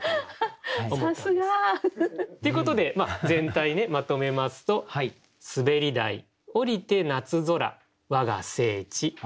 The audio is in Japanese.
さすが！ということで全体まとめますと「滑り台降りて夏空わが聖地」。